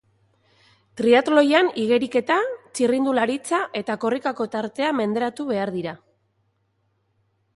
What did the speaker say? Triatloian igeriketa, txirrindularitza eta korrikako tartea menderatu behar dira.